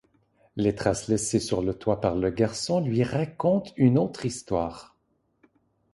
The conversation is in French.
Les traces laissées sur le toit par le garçon lui racontent une autre histoire.